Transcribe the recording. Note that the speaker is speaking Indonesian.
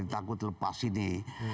takut lepas sini